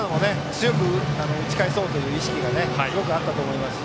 強く打ち返そうという意識がよくあったと思います。